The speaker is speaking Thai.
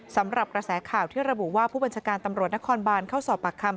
สำหรับกระแสข่าวที่ระบุว่าผู้บัญชาการตำรวจนครบานเข้าสอบปากคำ